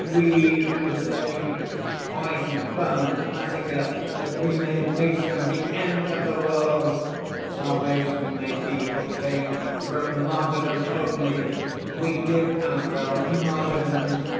"We, the Saints, poison, burn, massacre, that we may hasten the end of the world. "Salvation may be obtained through martyrdom only. We give ourselves martyrdom.